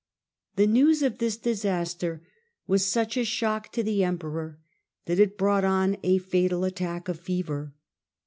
The news of this disaster was such a shock to the emperor that it brought on a fatal attack of fever.